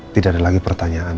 tidak ada lagi pertanyaan